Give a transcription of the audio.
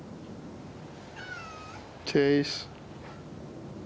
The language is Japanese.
チェイス。